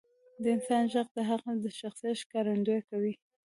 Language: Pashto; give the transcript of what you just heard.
• د انسان ږغ د هغه د شخصیت ښکارندویي کوي.